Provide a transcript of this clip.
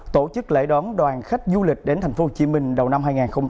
tổ chức lễ đón đoàn khách du lịch đến tp hcm đầu năm hai nghìn hai mươi bốn